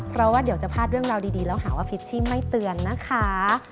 เพราะว่าเดี๋ยวจะพลาดเรื่องราวดีแล้วหาว่าพิชชี่ไม่เตือนนะคะ